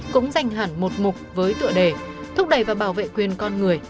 cũng dành hẳn một mục với tựa đề thúc đẩy và bảo vệ quyền con người